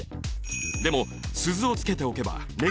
でも鈴をつけておけば。